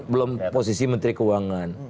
belum posisi menteri keuangan